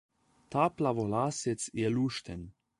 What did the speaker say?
Ta plavolasec je lušten.